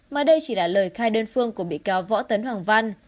mà đây chỉ là lời khai đơn phương của bị cáo võ tấn hoàng văn